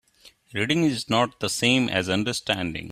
Reading is not the same as understanding.